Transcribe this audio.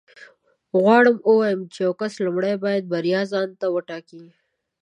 غواړم ووایم چې یو کس لومړی باید بریا ځان ته وټاکي